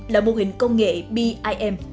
là mô hình công nghệ bim